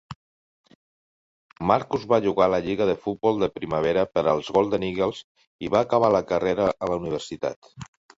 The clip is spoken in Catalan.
Marcus va jugar a la lliga de futbol de primavera per als Golden Eagles i va acabar la carrera a la universitat.